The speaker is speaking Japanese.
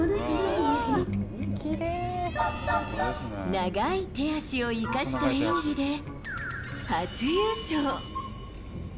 長い手足を生かした演技で初優勝。